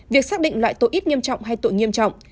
việc xác định loại tội ít nghiêm trọng hay tội nghiêm trọng